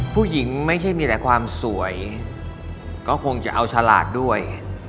ผู้หญิงไม่ใช่มีแต่ความสวยก็คงจะเอาฉลาดด้วย